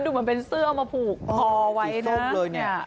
ดูเหมือนเป็นเสื้อมาผูกทอไว้นะเดี๋ยวสิส้มเลยเนี่ย